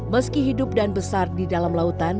meski hidup dan besar di dalam lautan